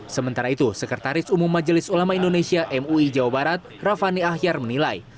sementara itu sekretaris umum majelis ulama indonesia mui jawa barat rafani ahyar menilai